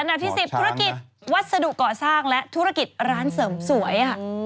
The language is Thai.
อันดับที่๑๐ธุรกิจวัสดุก่อสร้างและธุรกิจร้านเสริมสวย